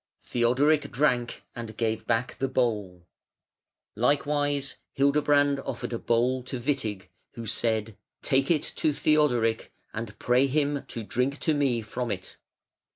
Theodoric drank and gave back the bowl. Likewise Hildebrand offered a bowl to Witig, who said: "Take it to Theodoric and pray him to drink to me from it".